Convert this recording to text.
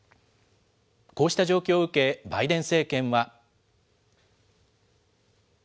こうした状況を受け、バイデン政権は。